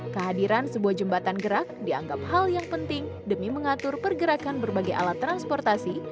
kehadiran sebuah jembatan gerak dianggap hal yang penting demi mengatur pergerakan berbagai alat transportasi